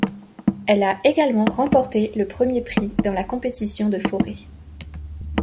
Elle a également remporté le premier prix dans la compétition de Fauré.